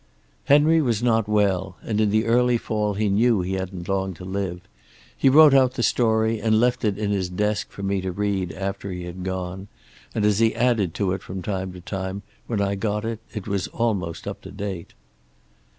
"Henry was not well, and in the early fall he knew he hadn't long to live. He wrote out the story and left it in his desk for me to read after he had gone, and as he added to it from time to time, when I got it it was almost up to date.